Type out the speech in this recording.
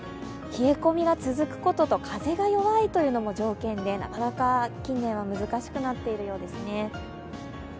冷え込みが続くことと風が弱いというのも条件で、なかなか近年は難しくなっているようですね。